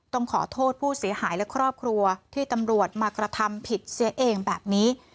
ต้องขอโทษผู้เสียหายและครอบครัวที่ตำรวจมากระทำผิดเสียเองแบบนี้